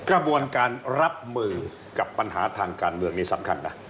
กระบวนการรับมือกับปัญหาทางการเมืองนี่สำคัญนะ